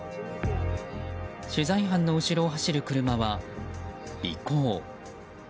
取材班の後ろを走る車は尾行。